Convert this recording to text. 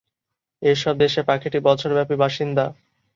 এসব দেশে পাখিটি বছরব্যাপী বাসিন্দা।